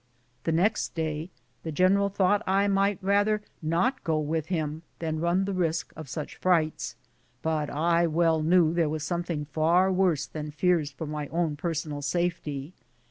The next day the general thought I might rather not go with him than run the risk of such frights ; but I well knew there was something far worse than fears for my own personal safety.